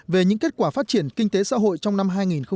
về những kết quả phát triển kinh tế xã hội trong năm hai nghìn một mươi chín